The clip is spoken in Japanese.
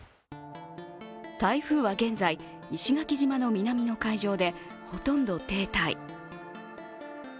台風は現在、石垣島の南の海上でほとんど停滞。